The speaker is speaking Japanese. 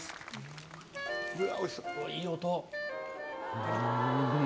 いい音。